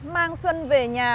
mang xuân về nhà